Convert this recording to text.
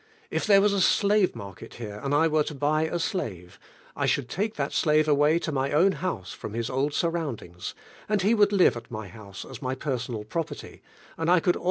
If there was a slave market here and I were to buy a slave, I should take that slave away to my own house from hiH old sur riMindiups and he would live at my house ns my personal property, and T could ui.